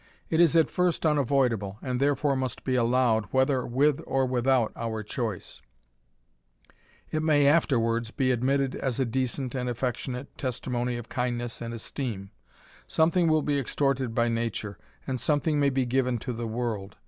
It is at first unavoidable, and therefore must be allowed, whether with or without our choice; it may afterwards be admitted as a decent and affectionate testimony of kindness and esteem ; something will be extorted by nature, and something may be given to the world.